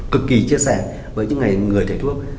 cực kỳ chia sẻ với những người thầy thuốc